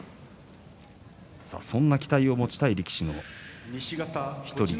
そんな期待を持ちたい力士その１人